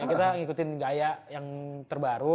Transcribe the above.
kita ngikutin gaya yang terbaru